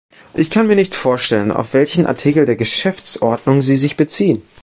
Ich kann mir nicht vorstellen, auf welchen Artikel der Geschäftsordnung Sie sich beziehen.